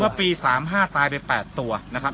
เมื่อปี๑๙๓๕ตายไป๘ตัวนะครับ